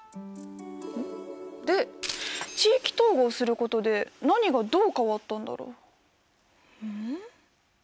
ん？で地域統合することで何がどう変わったんだろう？ん？